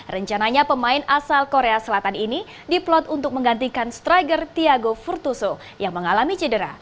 rencananya pemain asal korea selatan ini diplot untuk menggantikan striker thiago furtuso yang mengalami cedera